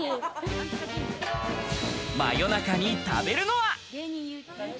夜中に食べるのは。